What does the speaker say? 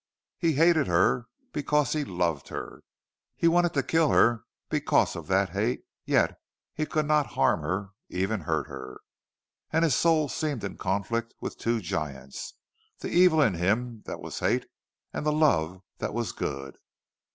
He hated her because he loved her. He wanted to kill her because of that hate, yet he could not harm her, even hurt her. And his soul seemed in conflict with two giants the evil in him that was hate, and the love that was good.